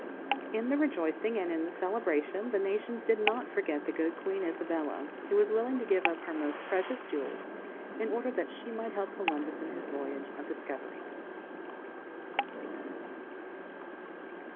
"_ In the rejoicing and in the celebration the nations did not forget the good Queen Isabella, who was willing to give up her most precious jewels in order that she might help Columbus in his voyage of discovery.